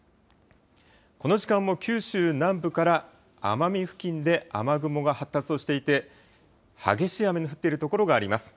この時間も九州南部から奄美付近で雨雲が発達をしていて、激しい雨の降っている所があります。